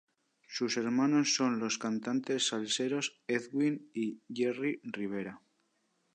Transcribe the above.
Sus hermanos son los cantantes salseros Edwin y Jerry Rivera.